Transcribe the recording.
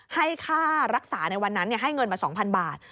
ให้ค่ารักษาในวันนั้นให้เงินมา๒๐๐บาท